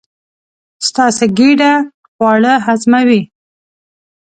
ستاسې ګېډه خواړه هضموي.